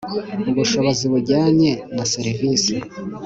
ubushobozi bujyanye na serivisi